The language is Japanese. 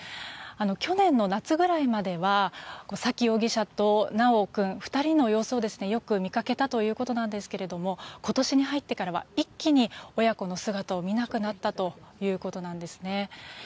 去年の夏ぐらいまでは沙喜容疑者と修君、２人の様子をよく見かけたということなんですが今年に入ってからは一気に親子の姿を見なくなったということなんですね。